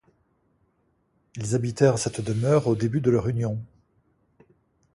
Ils habitèrent cette demeure au début de leur union.